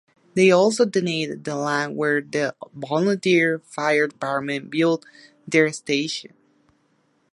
They also donated the land where the volunteer fire department built their station.